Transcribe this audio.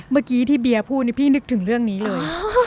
เมื่อกี้ที่เบียร์พูดนี่พี่นึกถึงเรื่องนี้เลย